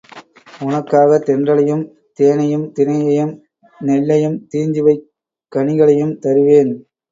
உனக்காகத் தென்றலையும், தேனையும், தினையையும், நெல்லையும், தீஞ்சுவைக் கனிகளையும் தருவேன்.